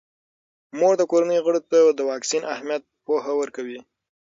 مور د کورنۍ غړو ته د واکسین اهمیت پوهه ورکوي.